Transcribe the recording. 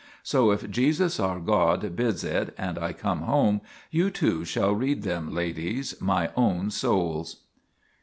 So if Jesus our God bids it, and I come home, you too shall read them, ladies, my own souls.